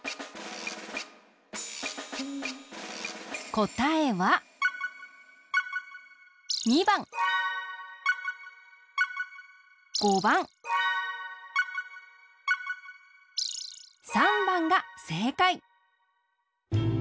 こたえは２ばん５ばん３ばんがせいかい！